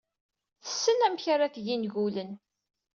Tessen amek ara d-teg ingulen.